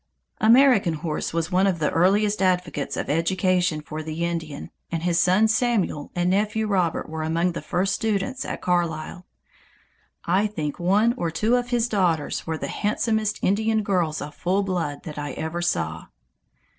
American Horse was one of the earliest advocates of education for the Indian, and his son Samuel and nephew Robert were among the first students at Carlisle. I think one or two of his daughters were the handsomest Indian girls of full blood that I ever saw.